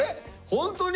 ホントに？